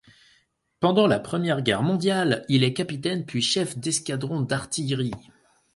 Pendant la Première Guerre mondiale, il est capitaine puis chef d'escadron d'artillerie.